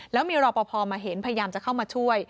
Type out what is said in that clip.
แล้วมีรอปภมาเห็นพยายามจะเข้ามาช่วย